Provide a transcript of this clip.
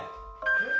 えっ？